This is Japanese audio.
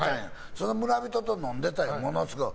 その村人と飲んでいたんものすごい。